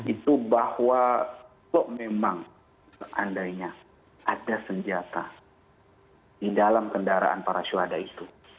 itu bahwa kok memang seandainya ada senjata di dalam kendaraan para syuhada itu